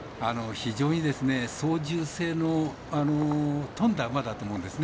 非常に操縦性の富んだ馬だと思うんですね。